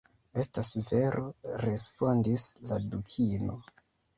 "Estas vero," respondis la Dukino.